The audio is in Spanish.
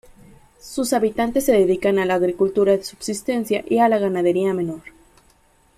Sus habitantes se dedican a la agricultura de subsistencia y a la ganadería menor.